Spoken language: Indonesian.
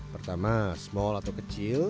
pertama small atau kecil